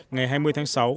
ngày hai mươi tháng sáu